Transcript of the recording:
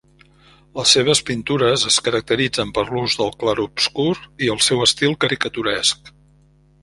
Les seves pintures es caracteritzen per l'ús del clarobscur i el seu l'estil caricaturesc.